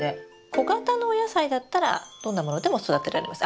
小型のお野菜だったらどんなものでも育てられます。